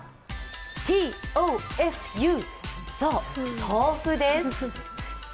ＴＯＦＵ、そう、豆腐です。